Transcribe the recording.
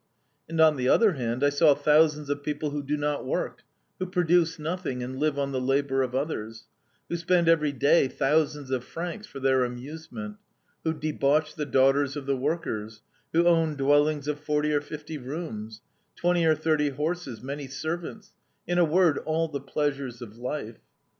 And, on the other hand, I saw thousands of people who do not work, who produce nothing and live on the labor of others; who spend every day thousands of francs for their amusement; who debauch the daughters of the workers; who own dwellings of forty or fifty rooms; twenty or thirty horses, many servants; in a word, all the pleasures of life.